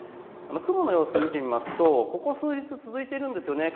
雲の様子を見てみますとここ数日続いているんです。